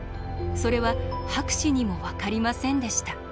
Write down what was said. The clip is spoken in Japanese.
それは博士にも分かりませんでした。